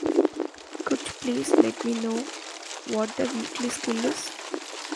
Could please let me know what the weekly skill is?